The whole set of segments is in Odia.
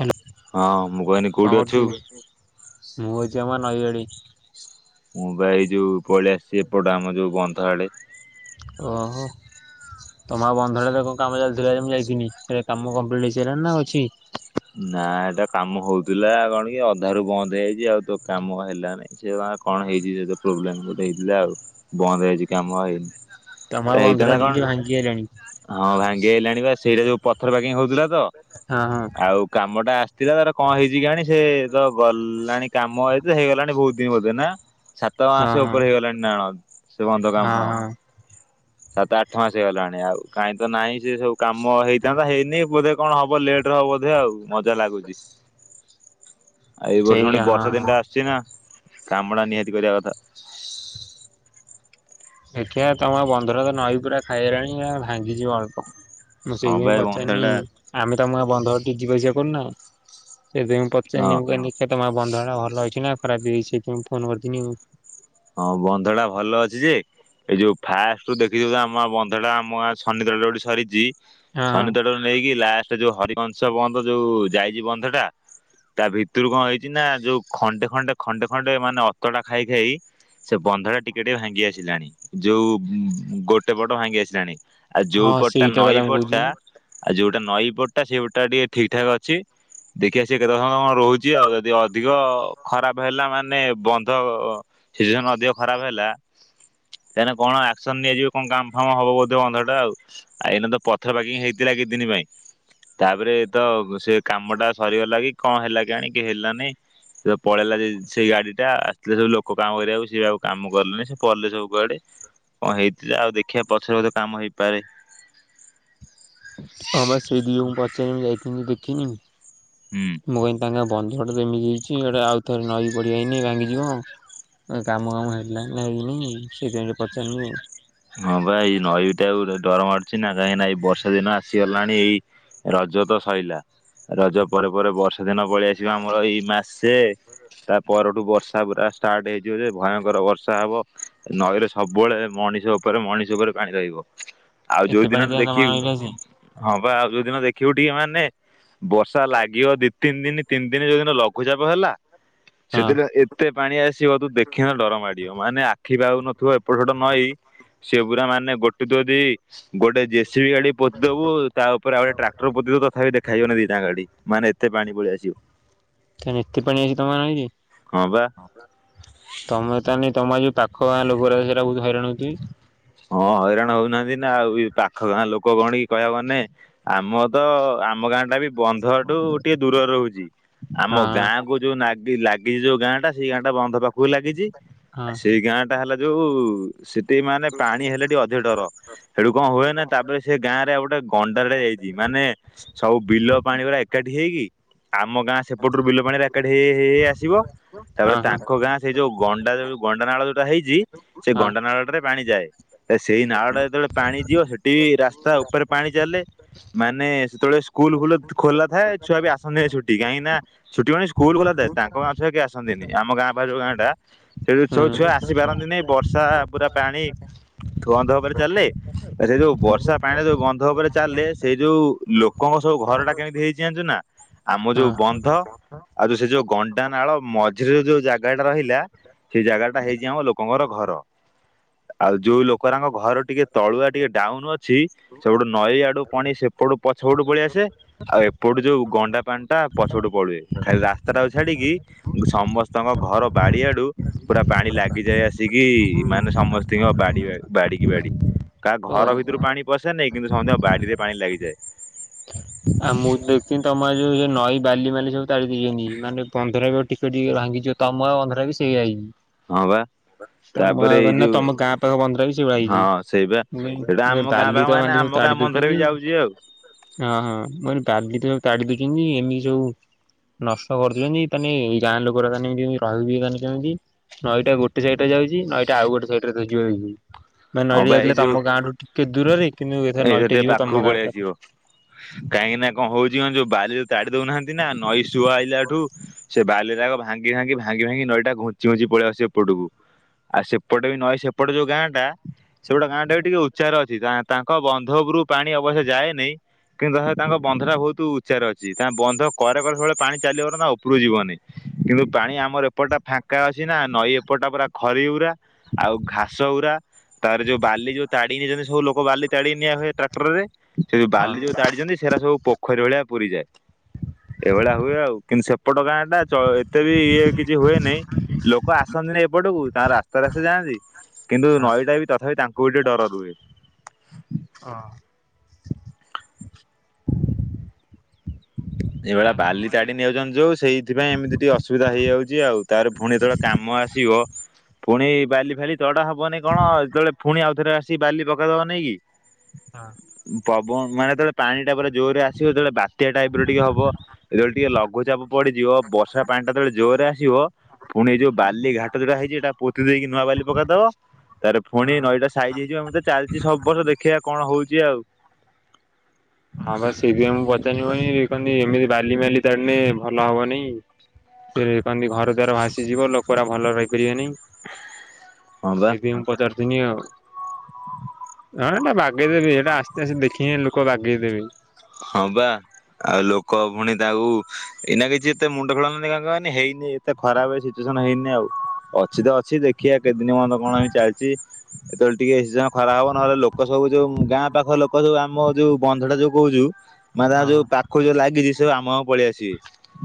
ହାଲୋ ହଁ ମୁଁ କହିନି କୋଉଠି କଣ ଅଛୁ? କରୁଛୁ ମୁଁ ଅଛି ଆମ ନଈ ଆଡେ। ମୁଁ ବା ଏଇ ଯୋଉ ପଳେଇ ଆସିଛି ଏପଟ ଆମ ଯୋଉ ବନ୍ଧ ଆଡେ। ଓହୋ। ତମ ଆଉ ବନ୍ଧଟା ଯାକ କାମ ଚାଲିଥିଲା ଯେ ମୁଁ ଯାଇଥିନି ସେ କାମ କମ୍ପ୍ଲିଟ୍ ହେଇାସାରିଲାଣି ନା ଅଛି। ନା ଏଟା କାମ ହୋଉଥିଲା କଣ କି ଅଧାରୁୁ ବନ୍ଦ ହେଇଯାଇଛି ଆଉ ତୋ କାମ ହେଲା ନାଇଁ। ସେ କଣ ହେଇଛି ସେ ପ୍ରୋବ୍ଲେମ ଗୋଟେ ହେଇଥିଲା ଆଉ ବନ୍ଦ ହେଇଛି କାମ ହେଇନି। ତମ ଗାଁ ହେଇଥାନ୍ତା ବନ୍ଧ କଣ? ଟିକେ ଭାଙ୍ଗି ଆଇଲାଣି। ହଁ ଭାଙ୍ଗି ଆଇଲାଣି ବା ସେଇଟା ଯୋଉ ପଥର ପାକିଙ୍ଗ ହୋଉଥିଲା ତ ହଁ ହଁ ଆଉ କାମ ଟା ଆସିଥିଲା ତାର କଣ ହେଇଛି କେଆଣି ସେ ତ ଗଲାଣି କାମ ଏଇ ତ ହେଇଗଲାଣି ବହୁତ୍ ଦିନି ବୋଧେ ନା। ସାତ ହଁ ମାସେ ହଁ ଉପରେ ହେଇଗଲାଣି ନା କଣ ସେ ବନ୍ଧ କମ ହଁ ଫାମ। ହଁ। ସାତ ଆଠ ମାସ ହେଇଗଲାଣି ଆଉ କାଇ ତ ନାହିଁ ସେ ସବୁ କାମ ହେଇଥାନ୍ତା ହେଇନି ବୋଧେ କଣ ହବ ଲେଟ୍ ହବ ବଧେ ଆଉ। ମଜା ଲାଗୁଚି। ଆଉ ଏଇ ବର୍ଷ ସେଇ ଫୁଣି ହଁ ବର୍ଷା ହଁ ଦିନଟା ଆସୁଚି ନା କାମଟା ନିହାତି କରିବା କଥା। ଦେଖିବା ତମ ବନ୍ଧୁଟା ତ ନଈ ପୁରା ଖାଇଗଲାଣି ଆଉ ଭାଙ୍ଗିଯିବ ଅଳ୍ପ। ମୁଁ ହଁ ବା ସେଇଥିପାଇଁ ଏ ବନ୍ଧ ପଚାରନି। ଟା ଆମେ ତମଗାଁ ବନ୍ଧରେ ଟିକେ ଯିବା ଆସିବା କରୁନା ସେଥିପାଇ ମୁଁ ହଁ ପଚାରିନି ମୁ କିହୀନି। ସେ ତମ ଗାଁ ବନ୍ଧ ଟା ଭଲ ହେଇଛି ନା ଖରାପ ହେଇଛି ଫୋନ କରିଥିନି। ହଁ ବନ୍ଧ ଟା ଭଲ ଅଛି ଯେ ଏଇ ଯୋଉ ଫାଷ୍ଟେ ରୁ ଦେଖିଥୀବୁ ତ ଆମ ଗାଁ ବନ୍ଧଟା ଆମ ଶନି ତୋଟା ଯୋଉଠି ସରିଛି ହଁ ଶନି ତୋଟାରୁ ନେଇକି ଲାଷ୍ଟେ ଯୋଉ ହରିକଂଶ ବନ୍ଧ ଯୋଉ ଯାଇଛି ବନ୍ଧ ଟା ତା ଭିତରୁ କଣ ହେଇଚି ନା ଯୋଉ ଖଣ୍ଡେ ଖଣ୍ଡେ ଖଣ୍ଡେ ଖଣ୍ଡେ ମାନେ ଅତଡା ଖାଇ ଖାଇ ସେ ବନ୍ଧ ଟା ଟିକେ ଟିକେ ଭାଙ୍ଗି ଆସିଲାଣି ଯୋଉ ଗୋଟେ ପଟ ଭାଙ୍ଗି ଆସିଲାଣି। ଆଉ ଯୋଉ ହଁ ପଟଟା ସେଇଟା କଥା ନଈ ମୁଁ କହୁଛି ପଟଟା ବା ଆଉ ଯୋଉଟା ନଈ ପଟଟା ସେ ପଟା ଟିକେ ଠିକ୍ ଠାକ୍ ଅଛି। ଦେଖି ଆସେ କେତେ ସମ କଣ ରହୁଚି ଆଉ ଯଦି ଅଧିକ ଖରାପ ହେଲା ମାନେ ବନ୍ଧ। ସିଚୁଏସନ୍ ଅଧିକ ଖରାପ ହେଲା ତାହାନେ କଣ ଆକ୍ସନ୍ ନେଇଆଯିବ କଣ କାମ ହଁ ହବ ବୋଧେ ବନ୍ଧଟା ଆଉ ଏଇନା ତ ପଥର ପେକିଙ୍ଗି ହେଇଥିଲା କେତେଦିନ ପାଇଁ ତାପରେ ତ ସେ କାମ ଟା ସରିଗ ଲାକି? କଣ ହେଲା କେଇଆଣିି କି ହେଲାନେହି ସେ ପଳେଇଲା ସେଇ ଗାଡି ଟା ଆସିଥିଲେ ସବୁ ଲୋକ। କ କାମ କରିବାକୁ ସିଏ ଆଉ କାମ କଲେନେହିଁ ସେ ପଲେ ସବୁ କୁଆଡେ। ହଁ ହେଇଥିଲା ଆଉ ଦେଖିବା ପଛରେ ବୋଧେ କାମ ହେଇପାରେ। ହଁ ପା ସେଇ ଦିଜଣଙ୍କୁ ପଚାରିମି ଯାଇଥିନି ଦେଖିନି। ହୁଁ। ମୁଁ କହିନି ତାଙ୍କ ବନ୍ଧଟା ତ ଏମିତି ହେଇଚି ହେଟା ଆଉ ଥରେ ନଈ ବଢିଆଇନେ ଭାଙ୍ଗିଯିବ। ତାଙ୍କ କାମ ଫାମ ହେଇଲା ନା ହେଇନେହିଁ ସେଇଥି ପାଇଁ ଟିକିଏ ପଚାରନି ଆଉ। ହଁ ପା ଏଇ ନଈଟାକୁ ଡର ମାଡୁଚି ନା କାହିଁକି ନା ଏଇ ବର୍ଷା ଦିନ ଆସିଗଲାଣି ଏଇ ରଜ ତ ସରିଲା ରଜ ପରେ ପରେ ବର୍ଷା ଦିନ ପଳିଆସିବ ଆମର ଏଇ ମାସେ। ତା ପରଠୁ ବର୍ଷା ପୁରା ଷ୍ଟାର୍ଟ ହେଇଯିବ ଯେ ଭୟଙ୍କର ବର୍ଷା ହବ ନଈରେ ସବୁବେଳେ ମଣିଷେ ଓ ଉପରେ ମଣିଷେ ଉପରେ ପାଣି ରହିବ ଆଉ ଏତେ ଯୋଉ ପାଣି ଦିନରେ ତାହେଲେ ତମ ଦେଖିବୁ। ନଈକି ଆସିଛି। ହଁ ପା ଆଉ ଯୋଉଦିନ ଦେଖିବୁ ଟିକେ ମାନେ ବର୍ଷା ଲାଗିବ ଦି ତିନି ଦିନି ତିନି ଦିନି ଯୋଉଦିନ ଲଘୁଚାପ ହେଲା ହଁ ସେଥିରେ ଏତେ ପାଣି ଆସିବ ତୁ ଦେଖିନେ ଡର ମାଡିବ ମାନେ ଆଖି ପାଉ ନଥିବ ଏପଟ ସେପଟ ନଇ। ସିଏ ପୁରା ମାନେ ଗୋଟେ ତୁ ଯଦି ଗୋଟେ ଜେ ସି ବିି ଗାଡି ପୋତିଦୋବୁ ତାଉପରେ ଆଉ ଗେଟେ ଟ୍ରାକ୍ଟର ପୋତି ଦୋବୁ ତଥାପି ଦେଖାଯିବନେହିଁ ଦିଟାନାଖା ଗାଡି ମାନେ ଏତେ ପାଣି ପଳିଇ ଆସିବ। ତାହା ନେ ଏତେ ପଣି ଅଛି ତମଗାଁ ନଈରେ? ହଁ ପା। ତମେ ତାହାନେ ତମର ଯୋଉ ପାଖଗାଁ ଲୋକରା ବି ସେରା ବହୁତ୍ ହଇରାଣ ହୋଉଥୁବେ? ହଁ ହଇରାଣ ହଉନାହାନ୍ତି ନା ଆଉ ପାଖ ଗାଁ ଲୋକ କଣ କି କହିବାକୁ ଗନେ ଆମ ତ ଆମ ଗାଁ ଟା ବି ବନ୍ଧଠୁ ଟିକେ ଦୂରରେ ରହୁଛି ଆମ ହଁ ଗାଁ କୁ ଯୋଉ ନାଗି ଲାଗିଚି ଯୋଉ ଗାଁ ଟା ସେଇ ଗାଁ ଟା ବନ୍ଧ ପାଖକୁ ଲାଗିଚି ହଁ ଆଉ ସେଇ ଗାଁ ସେଟା ହେଲା ଯୋଉ ସେଠି ମାନେ ପାଣି ହେଲେ ଟିକେ ଅଧିକ ଡର ସେଠୁ କଣ ହୁଏନା ତାପରେ ସେ ଗାଁ ରେ ଆଉ ଗୋଟେ ଗଣ୍ଡା ଟେ ଯାଇଚି ମାନେ ସବୁ ବିଲ ପାଣି ଗୁଡା ଏକାଠି ହେଇକି ଆମ ଗାଁ ସେପଟରୁ ବିଲ ପାଣିରା ଏକାଠି ହେଇ ହେଇ ହେଇ ହେଇ ଆସିବ ତାପରେ ହଁ ତାଙ୍କ ଗାଁ ସେଇ ଯୋଉ ଗଣ୍ଡା ଯୋଉ ଗଣ୍ଡା ନାଳ ଯୋଉଟା ହେଇଚି ସେଇ ହଁ ଗଣ୍ଡା ନାଳଟରେ ପାଣି ଯାଏ ତ ସେଇ ନାଳଟା ଯେତୋଳେ ପାଣି ଯିବ ହେଠି ବି ରାସ୍ତା ଓପରେ ପାଣି ଚାଲେ ମାନେ ସେତେବେଳେ ସ୍କୁଲୁ ଫୁଲ ଖୋଲା ଥାଏ ଛୁଆ ବି ଆସନ୍ତି ଛୁଟି କାହିଁକିନା ଛୁଟି କଣ କି ସ୍କୁଲ ଖୋଲାଥାଏ ତାଙ୍କ ଗାଁ ଛୁଆ କେହି ଆସନ୍ତିିନି ଆମ ଗାଁ ପାଖରେ ଯୋଉ ଗାଁଟା ସେଠୁ ହଁ ସବୁ ଛୁଆ ହୁଁ ଆସି ପାରନ୍ତିନେଇ ବର୍ଷା ପୁରା ପାଣି ଥୁ ବନ୍ଧ ଓପରେ ଚାଲିଲେ ତ ସେଇ ଯୋଉ ବର୍ଷା ପାଣିରେ ଯୋଉ ଗନ୍ଧ ଉପରେ ଚାଲିଲେ ସେଇ ଯୋଉ ଲୋକଙ୍କ ସବୁ ଘରଟା କେମିତି ହେଇଛିି ଜାଣିଚୁ ନା ଆମ ହଁ ଯୋଉ ବନ୍ଧ ଆଉ ଯୋଉ ସେ ଯୋଉ ଗଣ୍ଡା ନାଳ ମଝିରେ ଯୋଉ ଜାଗାଟା ରହିଲା ସେଇ ଜାଗାଟା ହେଇଚି ଆମ ଲୋକଙ୍କର ଘର। ଆଉ ଯୋଉ ଲୋକ ରାଙ୍କ ଘର ଟିକେ ତଳୁଆ ଟିକେ ଡାଉନ ଅଛି ସେପଟୁ ନଈ ଆଡୁ ପାଣି ସେପଟୁ ପଛ ପଟୁ ପଳେଇଆସେ ଆଉ ଏପଟୁ ଯୋଉ ଗଣ୍ଡା ପାଣିଟା ପଛପଟୁ ପଳୁଏ ଖାଲି ରାସ୍ତାଟାକୁ ଛାଡିକି ସମସ୍ତଙ୍କ ଘର ବାଡିଆଡୁ ପୁରା ପାଣି ଲାଗିଯାଏ ଆସିକି ମାନେ ସମସ୍ତିଙ୍କ ବାଡି ବା ବାଡିକି ବାଡି କାହା ଘର ଓହୋ। ଭିତରୁ ପାଣି ପଶେନେହିଁ କିନ୍ତୁ ସମସ୍ତିଙ୍କ ବାଡିରେ ପାଣି ଲାଗିଯାଏ। ଆଉ ମୁଁ ଦେଖଥିନି ତମର ଏଇ ଯୋଉ ଯୋଉ ନଈ ବାଲି ମାଲି ସବୁ ତାଡି ଦେଇଚନ୍ତି ମାନେ ପନ୍ଦର କେତୋଟି ଭାଙ୍ଗିଯିବ ତମ ଘର ବି ସେଇଆ ହେଇଚି। ହଁ ପା। ତମ ତମ ଗାଁ ପାଖ ମନ୍ଦିର ବି ସେଇଭଳିଆ ହେଇଛି ହଁ ସେଇବା ମୁଁ କହିଲି ସେଇଟା ମୁ ଆମ ଗାଁ ପାଖ ବାଲି ତ ମାନେ ବାଲି ଆମ ଗାଁ ତାଡି ବନ୍ଧରେ ବି ଦୋଉଚନ୍ତି ଯାଉଛି ଆଉ ହଁ ହଁ ମୁଁ କହିଲି ବାଲି ତ ସବୁ ତାଡି ଦୋଉଛନ୍ତି ଏମିତି ସବୁ ନଷ୍ଟ କରୁଚନ୍ତି ତାହେନେ ଏଇ ଗାଁ ଲୋକରା ମାନେ କେମିତି ରହିବି ମାନେ କେମିତି ନଈଟା ଗୋଟେ ସାଇ ଯାଇଚି ନଈଟା ଆଉ ଗୋଟେ ସାଇଡରେ ରହିଯିବ [unintelligible] ମାନେ ହଁ ନଈଟ ବା ଏଇ ଯାଇଥିଲେ ଯୋଉ ତମ ଗାଁଠ ଟିକେ ଦୂରରେ କିନ୍ତୁ ଏଥର ନଈଟା ଯିବ ତମ ଗାଁ ପୁରା କାହିଁକିନା କଣ ହୋଉଚି କଣ ହୋଉଚି କହନି ଯୋଉ ବାରିରୁ କାଢି ଦୋଉନାହାନ୍ତି ନା ନଈ ସୁୁଅ ଆଇଲାଠୁ ସେ ବାଲିରାକ ଭା ଭାଙ୍ଗି ଭାଙ୍ଗି ଭାଙ୍ଗି ଭାଙ୍ଗି ନଈଟା ଘୁଞ୍ଚି ଘୁଞ୍ଚି ପଳି ଆସିବ ଏପଟକୁ। ଆଉ ସେପଟେ ବି ନଇ ସେପଟ ଯୋଉ ଗାଁଟା ସେ ଗୋଟା ଗାଁଟା ବି ଟିକେ ଉଚ୍ଚାରେ ଅଛି ତା ତାଙ୍କ ବନ୍ଧ ଓପରକୁ ପାଣି ଅବଶ୍ୟ ଯାଏନେଇଁ କିନ୍ତୁ ତାଙ୍କ ତାଙ୍କ ବନ୍ଧଟା ବୋହୁତୁ ଉଚ୍ଚାରେ ଅଛି ତା ବନ୍ଧ କରେ କରେ ସବୁବେଳେ ପାଣି ଚାଲିିବ ନା ତାଙ୍କ ଓପରକୁ ଯିବନି। କିନ୍ତୁ ପାଣି ଆମର ଏପଟ ଟା ଫାଙ୍କା ଅଛି ନା ନଈ ଏପଟା ପୁରା ଖରିଉରା। ଆଉ ଘାସଉରା। ତାର ଯୋଉ ବାଲି ଯୋଉ ତାଡି ଦେଇଚନ୍ତି ସବୁ ଲୋକ ବାଲି ତାଡିକି ନିଆ ହୁଏ ଟ୍ରାକ୍ଟରରେ। ସେଇ ଯୋଉ ବାଲି ଯୋଉ ତାଡିଚନ୍ତି ସେରା ସବୁ ପୋଖରୀ ଭଳିଆ ପୁରିଯାଏ। ଏଇଭଳିଆ ହୁଏ ଆଉ କିନ୍ତୁ ସେପଟ ଗାଁଟା ଚ ଏତେ ବି ଇଏ କିଛି ହୁଏ ନେଇ ଲୋ କ ଆସନ୍ତିନି ଏପଟକୁ ତା ରାସ୍ତାରେ ସେ ଯାଆନ୍ତି କିନ୍ତୁ ହଁ ନଈଟା ବି ତଥାପି ତା କୁ ଟିକେ ଡର ରୁହେ। ହଁ। ଏଇଭଳିଆ ବାଲି ତାଡି ନେଇ ଯାଉଚନ୍ତି ଯୋଉ ସେଇଥିପାଇଁ ଏମିତି ଟିକେ ଅସୁବିଧା ହେଇଯାଉଚି ଆଉ ତାର ଫୁଣି ଯେତୋଳେ କାମ ଆସିବ ପୁଣି ଏଇ ବାଲି ଫାଲି ତଡ଼ା ହବନି କଣ ଯେତଳେ ଫୁଣି ଆଉଥରେ ଆସି ବାଲି ପକେଇଦବନି କି [inaudible] ହଁ। ଉଁ ପବନ ମାନେ ଯେତେବେଳେ ପାଣିଟା ପୁରା ଜୋରେ ଆସିବ ଏତେବେଳେ ବାତ୍ୟା ଟାଇ ରେ ଟିକେ ହବ ଯେତେବେଳେ ଟିକେ ଲଘୁଚାପ ପଡିଯିବ ବର୍ଷା ପାଣିଟା ଯେତେବେଳେ ଜୋରେ ଆସିବ ଫୁଣି ଏଇ ଯୋଉ ବାଲି ଘାଟ ଯୋଉଟା ହେଇଚି ଏଇଟା ପୋତି ଦେଇକି ନୂଆ ବାଲି ପକେଇଦବ। ତାରେ ଫୁଣି ନଈଟା ସାଇଜ୍ ହେଇଯିବ ଏମତି ତ ଚାଲଚି ସବୁ ବର୍ଷ ଦେଖିଆ କଣ ହଉଚି ଆଉ। [inaudible] ହଁ ବା ସେଇଥିପାଇଁ ମୁଁ ପଚାରି ‍ବୋନି କହନ୍ତି ଏମିତି ବାଲି ମାଲି ତାରିନେ ଭଲ ହବ ନେଇଁ। ଫେରେ କହନ୍ତି ଘର ଦ୍ୱାର ଭାସିଯିବ ଲୋକଟା ଭଲ ରହିପାରିବେ ହଁ ବା ନେଇଁ ଏଟି ଏମ୍ ପଚାରୁଥିନି ଆଉ ହଁ ଏଇଟା ବାଗେଇ ଦେବି ଏଇଟା ଆସ୍ତେ ଆସ୍ତେ ଦେଖିକି ଲୋକ ବାଗ ଗେଇ ଦେବି। ହଁ ବା ଆଉ ଲୋକ ଫୁଣି ତାକୁ ଏଇନା କିଛି ଏତେ ମୁଣ୍ଡ ଖେଳଉ ନାହାନ୍ତି କାହିଁକି କହନି ହେଇନି ଏତେ ଖରାପ ସିଚୁଏସନ ହେଇନି ଆଉ ଅଛି ତ ଅଛି ଦେ ଖିଆ କେତେଦିନ ପର୍ଯ୍ୟନ୍ତ କଣ ହିଁ ଚାଲଚି। ଯେତେବେଳେ ଟିକେ ସିଚୁଏସନ ଖରାପ ହବ ନହେଲେ ଲୋକ ସବୁ ଯୋଉ ଗାଁ ପାଖ ଲୋକ ସବୁ ଆମ ଯୋଉ ବନ୍ଧ ଟା ଯୋଉ ବୁଝୁ ମାନେ ତା ହଁ ଯୋଉ ହଁ। ପାଖ ଯୋଉ ଲାଗିଚି ସବୁ ଆମ ଗାଁ କୁ ପଳେଇ ଆସିବେ।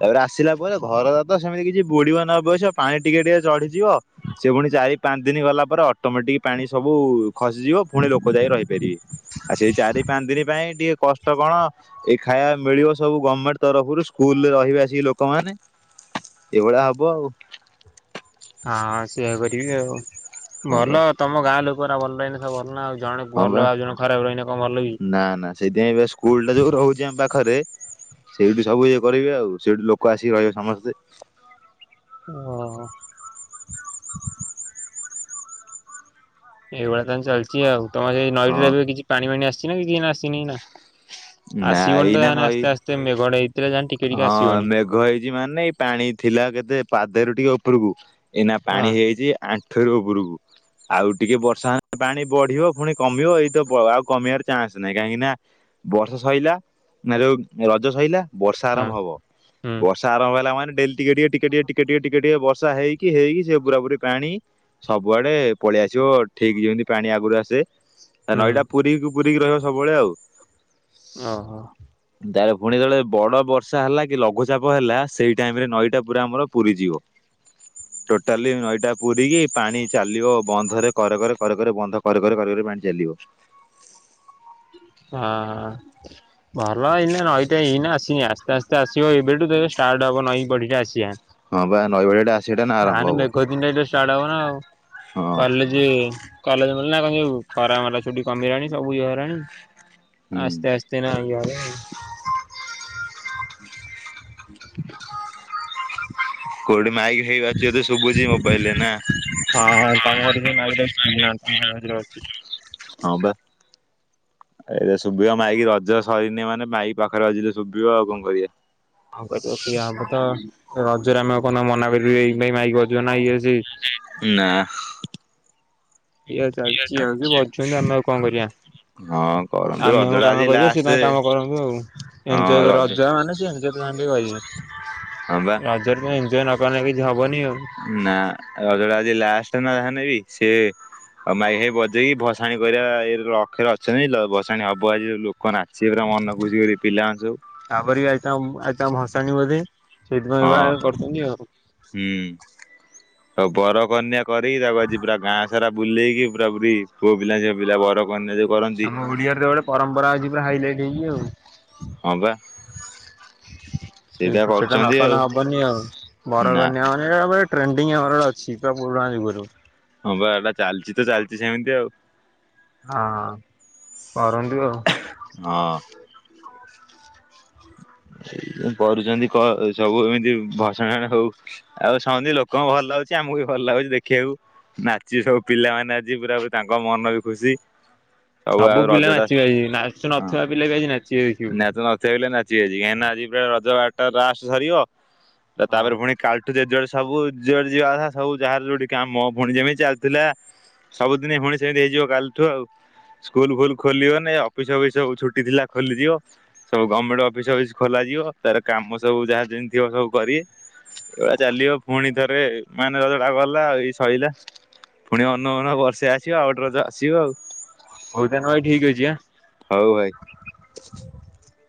ତାପରେ ଆସିଲା ପରେ ଘର ରାତ ସେମିତି କିଛି ବୁଡ଼ିବ ନ ଅବଶ୍ୟ ପାଣି ଟିକେ ଟିକେ ଚଢ଼ିଯିବ। ସେ ଫୁଣି ଚାରି ପାଞ୍ଚ ଦିନି ଗଲା ପରେ ଅଟୋମେଟିକ ପାଣି ସବୁ ଉ ଉ ଖସିଯିବ ଫୁଣି ଲୋକ ଯାଇକି ରହିପାରିବେ। ଆଉ ସେଇ ଚାରି ପାଞ୍ଚ ଦିନି ପାଇଁ ଟିକେ କଷ୍ଟ କଣ ଏଇ ଖାଇଆ ମିଳିବ ସବୁ ଗମେଣ୍ଟ ତରଫରୁ ସ୍କୁଲରେ ରହିବେ ଆସିକି ଲୋକମାନେ ଏଇଭଳିଆ ହବ ଆଉ। ହଁ ସେଇଆ କରିବି ଆଉ ହଁ ବା ଭଲ ତମ ଗାଁ ଲୋକରା ଭଲ ରହିନେ ସବୁ ଭଲ ନା ଆଉ। ଜଣେ ହଁ ଭଲ ବା ଆଉ ଜଣେ ଖରାପ ରହିଲେ କଣ ଭଲ କି? ନା ନା ସେଇଥିପାଇଁ ଏବେ ସ୍କୁଲ ଟା ଯୋଉ ରହୁଚି ଆମ ପାଖରେ ସେଇଠି ସବୁ ଇଏ କରିବେ ଆଉ ସେଇଠି ଲୋକ ଆସିକି ରହିବେ ସମସ୍ତେ। ଓହୋ। ଏଇଭଳିଆ ତାହାନେ ଚାଲିଚି ଆଉ ତମର ସେଇ ନଈ ରେ ହଁ ଏବେ କିଛି ପାଣି ମାଣି ଆସଚି ନା କି କିଛି ନା ଆସିନି ଏଇନା। ନାଇ ନା ଆସିବନି ତ ଏଇନା ଆନେ ନଈ ଆସ୍ତେ ଆସ୍ତେ ମେଘ ଡ଼େଇ ହଁ ମେଘ ହେଇ ଚି ମାନେ ପାଣି ଥିଲା କେତେ ପାଦେରୁ ଟିକେ ଉପରକୁ ଏଇନା ହଁ ପାଣି ହେଇଚି ଆଁଣ୍ଠ ଠୁରୁ ଉପୁରୁକୁ। ଆଉ ଟିକେ ବର୍ଷା ପାଣି ବଢ଼ିବ ଫୁଣି କମିବ ଏଇତ ବ ଆଉ କମିବାର ଚାନ୍ସ ନାହିଁ କାହିଁକି ନା ବର୍ଷ ସଇଲା ନା ଯୋଉ ରଜ ସଇଲା ବର୍ଷା ହଁ ଆରମ୍ଭ ହବ ହୁଁ ବର୍ଷ ତା ଆରମ୍ଭ ହେଲା ମାନେ ଡ଼େଲି ଟିକେ ଟିକେ ଟିକେ ଟିକେ ଟିକେ ଟିକେ ଟିକେ ଟିକେ ବର୍ଷା ହେଇକି ହେଇକି ସେ ପୁରା ପୁରି ପାଣି ସବୁଆଡ଼େ ପଳେଇ ଆସିବ ଠିକି ଯେମିତି ପାଣି ଆଗରୁ ଆସେ। ଏ ହୁଁ ନଈଟା ପୁରିକୁ ପୁରିକି ରହିବ ସବୁବଳେ ଆଉ। ଓହୋ। ତାହେଲେ ଫୁଣି ଯେତବଳେ ବଡ଼ ବର୍ଷା ହେଲା କି ଲଘୁଚାପ ହେଲା ସେଇ ଟାଇମରେ ନଈଟା ପୁରା ଆମର ପୁରିଯିବ। ଟୋଟାଲି ନଈଟା ପୁରିକି ପାଣି ଚାଲିବ ବନ୍ଧରେ କରେ କରେ ବନ୍ଧ କରେ କରେ କରେ ପାଣି ଚାଲିବ। ହାଁ। ଭଲ ଏଇନା ନଈଟେ ଏଇନା ଆସିନି ଆସ୍ତେ ଆସ୍ତେ ଆସିବ ଏବେଠୁ ଦେଖେ ଷ୍ଟାର୍ଟ ହବ ନଈ ବଢ଼ିଟା ଆସିବା। ହଁ ବା ନଈବଢ଼ି ଟା ଆସ୍ ଆନି ମେଘ ଦିନ ଟା ଏଇଠେ ଷ୍ଟାର୍ଟ ହବ ନା ଆଉ। ହଁ। କଲେଜ୍ ଜେ କଲେଜେ ଖୋଲିଲା ଆଉ କଣ ଯିବୁ ଖରା ମରା ଛୁଟି କମିିଲାଣି ସବୁ ଇଏ ହେଲାଣି। ହୁଁ ଆସ୍ତେ ଆସ୍ତେ ଏଇନା ଇଏ ହବ ଆଉ। କୋଉଠି ମାଇକି ହେଇ ବାଜୁଚି ବୋଧେ ଶୁଭୁଚି ମୋବାଇଲରେ ନାଁ। ହଁ ହଁ ତମ ଘର ସେ ମାଇକି ଟା ବି ଶୁଭୁଚି ନାଁ ତମ ଘରେ ଯୋଉଟା ଅଛି। ହଁ ବା। ଏ ଶୁଭିବ ମାଇକି ରଜ ସରିନି ମାନେ ମାଇକି ପାଖରେ ବାଜିଲେ ଶୁଭିବ ଆଉ କଣ କରିବା। ହଁ କରିବ ସେଇଆ ହବ ତ ରଜରେ ଆମେ ଆଉ କଣ ତାଙ୍କୁ ମନା କରିବି ଏଇ ମାଇକି ବଜାଉ ନା ଇଏ ସେଇ। ନା। ଏଇଆ ଚାଲିଛି ଆଉଛି ବଜଉଛନ୍ତି ଆମେ ଆଉ କଣ କରିବା। ହଁ କରନ୍ତୁ ଆମେ ଆମ ରଜଟା କାମ ଆଜି କରିବା ସେ ଲାଷ୍ଟ ତା କାମ କରନ୍ତୁ ଆଉ ଏନଜୟ ରଜ ମାନେ ଏନଜୟ। ହଁ ବା। କହିବେ ରଜରେ ଏଞଜୟ ନକଲେ କିଛି ହବନି ଆଉ। ନା ରଜ ଟା ଆଜି ଲାଷ୍ଟ ନା ଯାହାହେଲେବି ସେ। ଆଉ ମାଇକ ହୋଇ ବଜେଇକି ଭସାଣି କରିବା ଏ ଲକ୍ଷରେ ଅଛନ୍ତି ଭସାଣି ହବ ଆଜି। ଲୋକ ନାଚିବେ ପୁରା ମନ ଖୁସିକରି ପିଲାମାନେ ସବୁ। ତାପରେ ବି ଆଜି ଆଜି ତାଙ୍କ ଭସାଣି ବୋଧେ ସେଇଥିପାଇଁ ହଁ ଏଭଳିଆ କରିଛନ୍ତି ଆଉ। ହୁଁ। ଆଉ ବରକନ୍ୟା କରିକି ତାକୁ ଆଜି ପୁରା ଗାଁ ସାରା ବୁଲେଇକି ପୁରା ପୁରି ପୁଅ ପିଲା ଛୁଆ ପିଲା ବର। [unintelligible] କରନ୍ତି। ଆମ ଓଡିଆରେ ତ ଗୋଟେ ପରମ୍ପରା ଅଛି ପୁରା ହାଇଲାଇଟ ହେଇକି ଆଉ। ହଁ ବା। ସେଇ ସେଇଟା ସେଟା ନ କରୁଛନ୍ତି ଆଉ କଲେ ହବନି ଆଉ ନା ବରକନ୍ୟା। ସୋ ଟ୍ରେଣ୍ଡିଙ୍ଗ ଆମର ଗୋଟେ ଅଛି ପୁରା ପୁରୁଣା ଯୁଗରୁ। ହଁ ବା ଏଟା ଚାଲିଛି ତ ଚାଲିଛି ସେମିତି ଆଉ। ହଁ କରନ୍ତୁ। ହଁ। ଏ କରୁଛନ୍ତି କଣ ସବୁ ଏମିତି ଭସଣି ହଉ। ଆଉ ସମସ୍ତ ଲୋକଙ୍କୁ ଭଲ ଲାଗୁଛି ଆମକୁ ବି ଭଲ ଲାଗୁଛି ଦେଖିବାକୁ। ନାଚି ସବୁ ପିଲାମାନେ ଆଜି ପୁରା ପ ତାଙ୍କ ମନ ବି ଖୁସି। ସବୁ ଆଉ ରଜ ପିଲା ଟା ନାଚିବେ ଆଜି ନାଚୁ ନଥିବା ପିଲା ବି ଆଜି ନାଚିବେ ଦେଖିବୁ। ଯେତେହେଲେ ବି ନାଚିବେ ଆଜି କାହିଁକି ନା ଆଜି ପା ରଜ [unintelligible] ଲାଷ୍ଟ ସରିବ ହଁ ତାପରେ ପୁଣି କାଲି ଜେ ଯୁଆଡେ ସବୁ ଯୁଆଡେ ଯିବା କଥା ସବୁ ଯାହାର ଯୋଉଠି କାମ ପୁଣି ଯେମିତି ଚାଲିଥିଲା। ସବୁ ଦିନି ଫୁଣି ସେମିତି ହେଇଯିବ କାଲିଠୁ ଆଉ। ସ୍କୁଲ ଫୁଲ ଖୋଲିବନି ଅଫିସ ଫଫିସ ସବୁ ଛୁଟି ଥିଲା ଖୋଲିଯିବ ସବୁ ଗଭର୍ଣ୍ଣମେଣ୍ଟ ଅ ଅଫିସ ଫଫିସ ଖୋଲାଯିବ ତାର କାମ ସବୁ ଯାହା ଯେମିତି ଥିବ ସବୁ କରିବେ। ଏଇଆ ଚାଲିବ ପୁଣି ଥରେ ମାନେ ରଜଟା ଗଲା ଆଉ ଏଇ ସଇଲା। ପୁଣି ଅନଉ ଅନଉ ବର୍ଷେ ଆସିବ ଆଉ ଗୋଟେ ରଜ ଆସିବ ଆଉ। ହଉ ତାହେଲେ ଭାଇ ଠିକ ଅଛି ଆଁ। ହଉ ଭାଇ। [unintelligible]